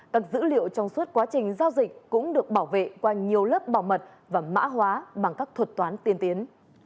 các dữ liệu trong suốt quá trình giao dịch cũng được bảo vệ qua nhiều lớp bảo mật và mã hóa bằng các thuật toán tiên tiến